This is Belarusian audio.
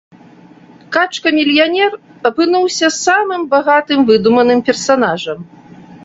Качка-мільянер апынуўся самым багатым выдуманым персанажам.